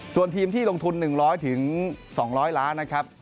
ส่วนทีมที่ลงทุน๑๐๐๒๐๐ล้านนะครับ